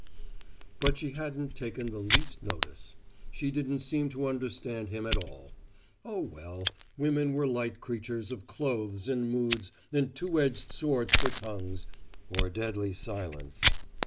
But she hadn't taken the least notice. She didn't seem to understand him at all. Oh, well women were light creatures of clothes and moods and two edged swords for tongues or deadly silence.